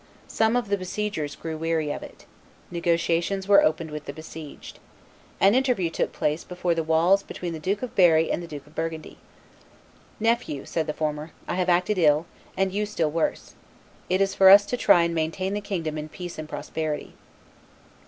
Some of the besiegers grew weary of it. Negotiations were opened with the besieged. An interview took place before the walls between the Duke of Berry and the Duke of Burgundy. "Nephew," said the former, "I have acted ill, and you still worse. It is for us to try and maintain the kingdom in peace and prosperity."